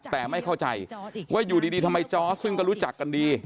แต่ไม่เข้าใจว่าอยู่ดีทำไมจอร์สซึ่งก็รู้จักกันดี